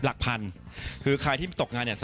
สามารถเอาไปทำได้เลย